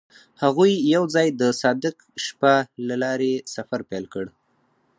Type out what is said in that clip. هغوی یوځای د صادق شپه له لارې سفر پیل کړ.